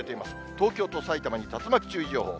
東京と埼玉に竜巻注意情報。